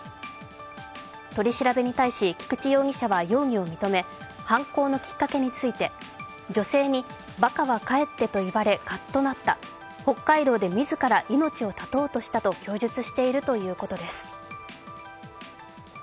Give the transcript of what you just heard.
取り調べに対し菊池容疑者は容疑を認め、犯行のきっかけについて、女性にバカは帰ってと言われカッとなった、北海道でみずから命を絶とうとしたと供述しているということです。